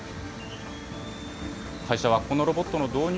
会社はこのロボットの導入